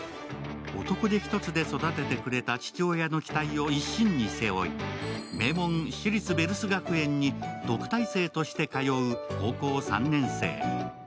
男手一つで育ててくれた父親の期待を一身に背負い、名門・私立ヴェルス学園に特待生として通う高校３年生。